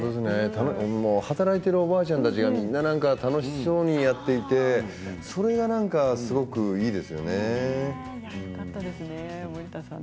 働いているおばちゃんたちがみんな楽しそうにやっていてそれがすごくいいですよね。